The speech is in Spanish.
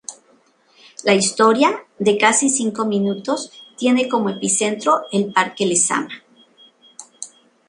La historia, de casi cinco minutos, tiene como epicentro el parque Lezama.